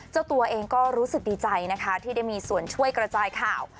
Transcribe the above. เจ้าตัวเองก็รู้สึกดีใจนะคะที่ได้มีส่วนช่วยกระจายข่าว